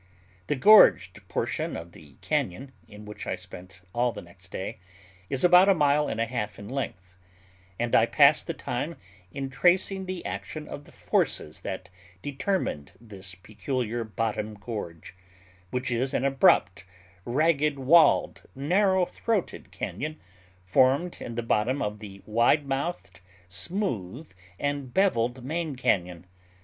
The gorged portion of the cañon, in which I spent all the next day, is about a mile and a half in length; and I passed the time in tracing the action of the forces that determined this peculiar bottom gorge, which is an abrupt, ragged walled, narrow throated cañon, formed in the bottom of the wide mouthed, smooth, and beveled main cañon.